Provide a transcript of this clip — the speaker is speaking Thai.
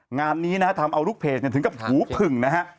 งานนี้นะฮะทำเอาลูกเพจถึงกับหูผึ่งนะฮะ